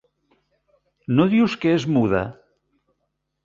No dius que és muda?